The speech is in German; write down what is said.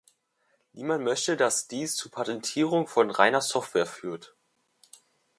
Niemand möchte, dass dies zur Patentierung von reiner Software führt.